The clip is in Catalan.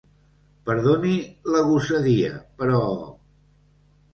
Perdoni la gosadia, però...